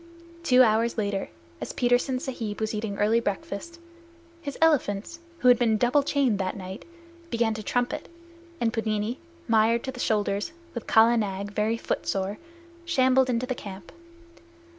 Two hours later, as Petersen Sahib was eating early breakfast, his elephants, who had been double chained that night, began to trumpet, and Pudmini, mired to the shoulders, with Kala Nag, very footsore, shambled into the camp.